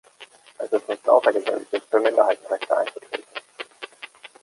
Es ist nichts Außergewöhnliches, für Minderheitenrechte einzutreten.